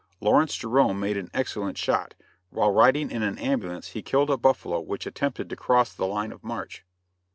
Lawrence Jerome made an excellent shot; while riding in an ambulance he killed a buffalo which attempted to cross the line of march.